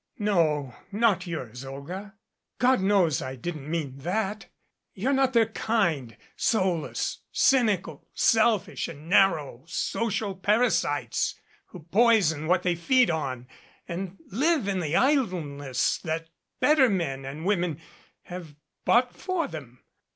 "No, not yours, Olga. God knows I didn't mean that. You're not their kind, soulless, cynical, selfish and narrow social parasites who poison what they feed on and live in the idleness that better men and women have bought for them.